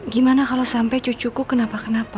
gimana kalau sampai cucuku kenapa kenapa